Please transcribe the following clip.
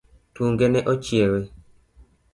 Tunge ne ochiewe.